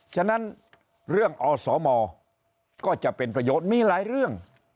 ฉะนั้นเรื่องอสมก็จะเป็นประโยชน์มีหลายเรื่อง